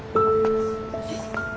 えっ？